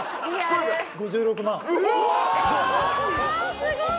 すごい！